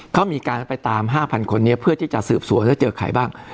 เขามีการไปตาม๕๐๐คนนี้เพื่อที่จะสืบสวนว่าเจอใครบ้าง